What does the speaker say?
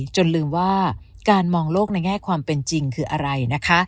จนลืมว่าการมองโลกในแง่ความเป็นจริงคืออะไรนะคะ